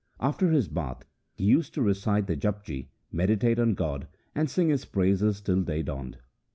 After his bath, he used to recite the Japji, meditate on God, and sing His praises till day dawned.